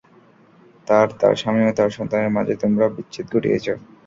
তার, তার স্বামী ও তার সন্তানের মাঝে তোমরা বিচ্ছেদ ঘটিয়েছ।